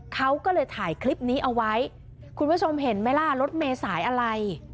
เขาก็เลยถ่ายคลิปนี้เอาไว้คุณผู้ชมเห็นไหมล่ะรถเมษายอะไร